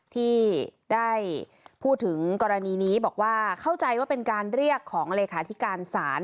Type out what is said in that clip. ที่ได้พูดถึงกรณีนี้บอกว่าเข้าใจว่าเป็นการเรียกของเลขาธิการศาล